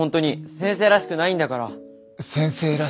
先生らしくない？